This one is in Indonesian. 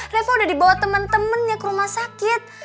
reva udah dibawa temen temennya ke rumah sakit